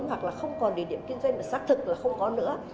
hoặc là không còn địa điểm kinh doanh để xác thực là không có nữa